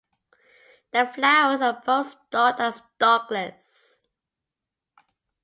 The flowers are both stalked and stalkless.